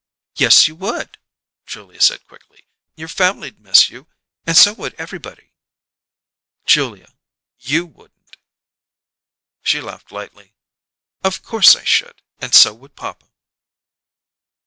"Yes, you would," Julia said quickly. "Your family'd miss you and so would everybody." "Julia, you wouldn't " She laughed lightly. "Of course I should, and so would papa."